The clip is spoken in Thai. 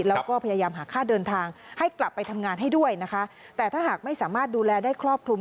แล้วก็พยายามหาค่าเดินทางให้กลับไปทำงานให้ด้วยนะคะแต่ถ้าหากไม่สามารถดูแลได้ครอบคลุม